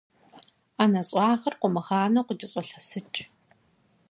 Ӏэнэ щӏагъыр къумыгъанэу къыкӏэщӏэлъэсыкӏ.